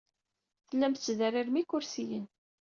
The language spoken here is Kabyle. Tellam tettderrirem ikersiyen.